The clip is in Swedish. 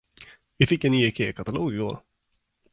Vi fick en ny ikeakatalog igår.